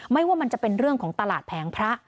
ไม่ว่ามันจะเป็นเรื่องของตลาดแผงพระ